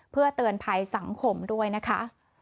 เพื่อเตือนภัยสังคมด้วยนะคะ